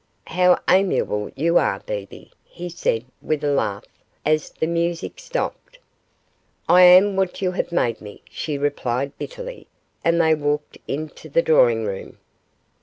'How amiable you are, Bebe,' he said, with a laugh, as the music stopped. 'I am what you have made me,' she replied, bitterly, and they walked into the drawing room.